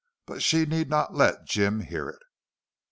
But she need not let Jim hear it.